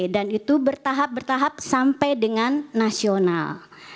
dan itu bertahap bertahap sampai dengan nasional